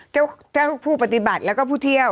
เจ้าผู้ปฏิบัติแล้วก็ผู้เที่ยว